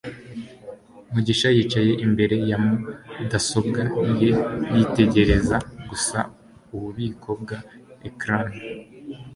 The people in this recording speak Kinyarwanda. mugisha yicaye imbere ya mudasobwa ye yitegereza gusa ububiko bwa ecran